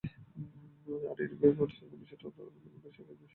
আর ইউরোপী পুরুষসাধারণ ও-বিষয়টা অত দোষের ভাবে না।